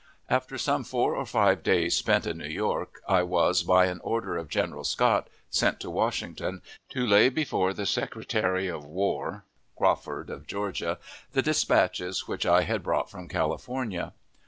After some four or five days spent in New York, I was, by an order of General Scott, sent to Washington, to lay before the Secretary of War (Crawford, of Georgia) the dispatches which I had brought from California.